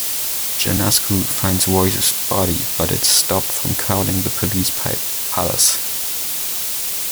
Jonascu finds Royce's body, but is stopped from calling the police by Pallas.